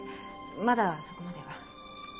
まだそこまでは。